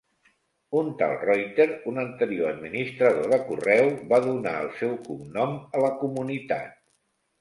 Un tal Reuter, un anterior administrador de correu, va donar el seu cognom a la comunitat.